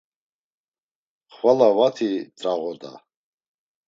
Xvala vati t̆rağoda.